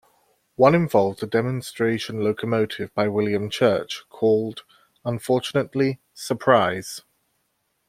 One involved a demonstration locomotive by William Church, called, unfortunately "Surprise".